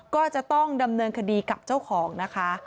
ก็จะต้องดำเนินคดีกับเจ้าของนะคะ